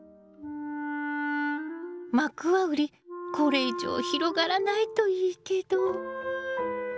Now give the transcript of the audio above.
マクワウリこれ以上広がらないといいけど。